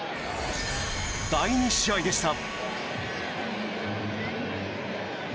第２試合でした。